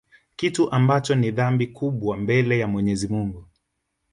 kitu ambacho ni dhambi kubwa mbele ya Mwenyezi Mungu